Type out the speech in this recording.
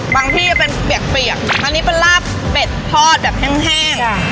บางที่เป็นเปียกเปียกอันนี้เป็นลาบเป็ดพอดแบบแห้งแห้งจ้ะ